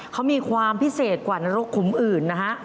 เขามีความพิเศษกว่านรกขุมอื่นนะฮะ